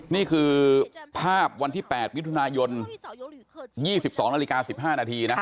นี่คือภาพวันที่๘มิถุนายน๒๒นาฬิกา๑๕นาทีนะ